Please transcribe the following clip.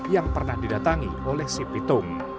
yang pernah didatangi oleh si pitung